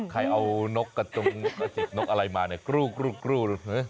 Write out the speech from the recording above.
ใครเอานกืสตรงไว้กันเนี่ยเลชทูมอยังปวด